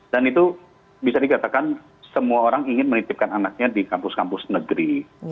dan itu bisa dikatakan semua orang ingin menitipkan anaknya di kampus kampus negeri